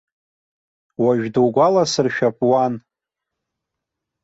Уажә дугәаласыршәап уан!